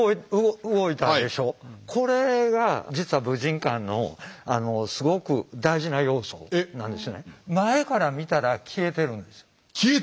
これが実は武神館のすごく大事な要素なんですね。